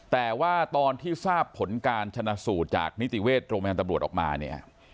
แต่ว่าตอนที่ทราบผลการชนะสูตรจากนิติเวชโรงพยาบาลตำรวจออกมาเนี่ย